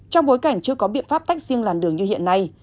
trong bối cảnh chưa có biện pháp tách riêng làn đường như hiện nay